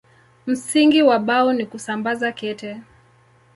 Msingi wa Bao ni kusambaza kete.